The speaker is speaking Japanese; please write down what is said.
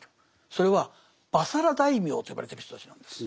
それは「婆娑羅大名」と呼ばれてる人たちなんです。